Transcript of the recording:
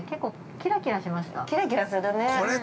◆キラキラするね。